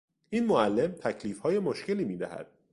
این معلم تکلیفهای مشکلی میدهد.